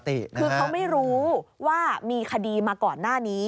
คือเขาไม่รู้ว่ามีคดีมาก่อนหน้านี้